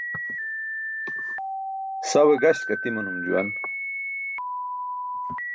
Sawe gaśk atimanum juwan.